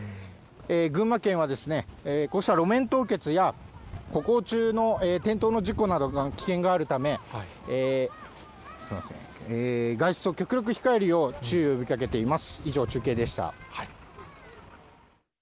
群馬県はこうした路面凍結や、歩行中の転倒の事故などの危険があるため、すみません、外出を極力控えるよう、注意を呼びかけています。